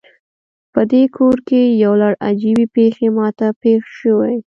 پدې کور کې یو لړ عجیبې پیښې ما ته پیښ شوي